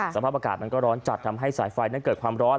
สภาพอากาศมันก็ร้อนจัดทำให้สายไฟนั้นเกิดความร้อน